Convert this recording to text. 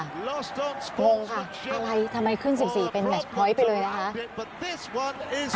งงค่ะอะไรทำไมขึ้น๑๔เป็นแบบน้อยไปเลยนะคะ